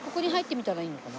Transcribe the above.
聞いたらいいのかな？